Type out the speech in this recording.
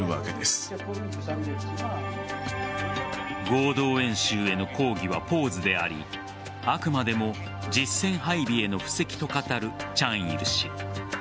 合同演習への抗議はポーズでありあくまでも実戦配備への布石と語るチャンイル氏。